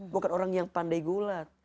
bukan orang yang pandai gulat